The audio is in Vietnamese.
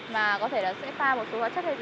mà có thể là sẽ pha một số hóa chất hay